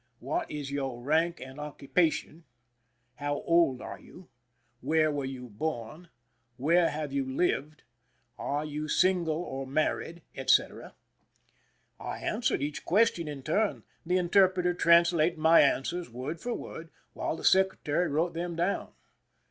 " What is your rank and occupa 185 THE SINKING OF THE "MEREIMAC" tion ?"" How old are you ?"" Where were you born ?"" Where have you lived ?"" Are you single or married ?" etc. I answered each question in turn, the interpreter translating my answers word for word, while the secretary wrote them down.